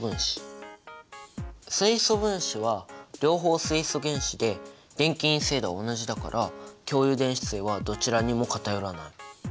水素分子は両方水素原子で電気陰性度は同じだから共有電子対はどちらにも偏らない。